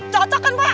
cocok kan pak